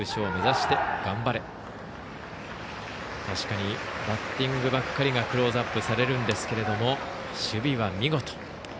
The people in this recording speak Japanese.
確かに、バッティングばっかりがクローズアップされるんですけれども守備は見事。